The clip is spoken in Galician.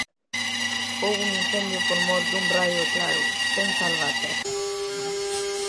Houbo un incendio por mor dun raio e claro, quen salva a terra?